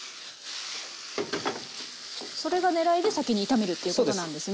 それがねらいで先に炒めるっていうことなんですね。